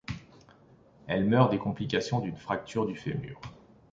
Elle meurt des complications d'une fracture du fémur.